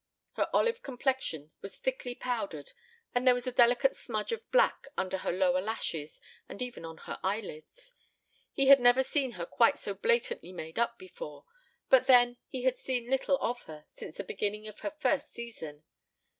Her olive complexion was thickly powdered and there was a delicate smudge of black under her lower lashes and even on her eyelids. He had never seen her quite so blatantly made up before, but then he had seen little of her since the beginning of her first season.